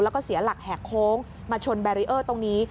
แล้วก็เสียหลักแหกโค้งมาชนแบรีเออร์ตรงนี้